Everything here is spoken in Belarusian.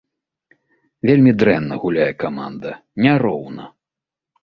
Вельмі дрэнна гуляе каманда, няроўна.